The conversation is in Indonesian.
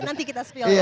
nanti kita spion ya